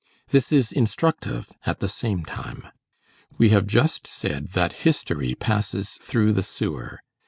This is instructive at the same time. We have just said that history passes through the sewer.